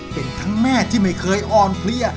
เป็นทั้งแม่ที่ไม่เคยอ่อนเพลีย